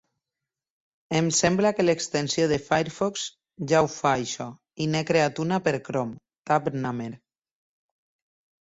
Em sembla que l'extensió de Firefox ja ho fa, això, i n'he creat una per Chrome, Tab Namer.